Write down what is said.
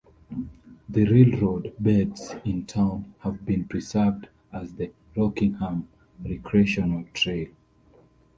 The railroad beds in town have been preserved as the Rockingham Recreational Trail.